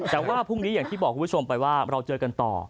แต่ว่าพรุ่งนี้อย่างที่บอกคุณผู้ชมไปว่าเราเจอกันต่อ